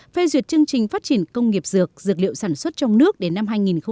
phê duyệt chương trình phát triển công nghiệp dược liệu sản xuất trong nước đến năm hai nghìn ba mươi